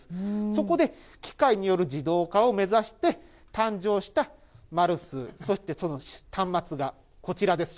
そこで、機械による自動化を目指して、誕生したマルス、そしてそのその端末がこちらです。